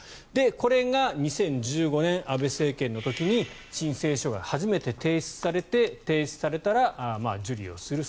これが２０１５年安倍政権の時に申請書が初めて提出されて提出されたら受理をする。